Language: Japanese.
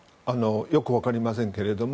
よく分かりませんけれども。